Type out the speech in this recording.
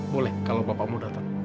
boleh kalau bapak mau datang